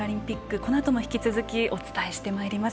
このあとも引き続きお伝えしていきます。